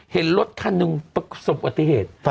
เห็นรถคันหนึ่งประสบอุบัติเหตุ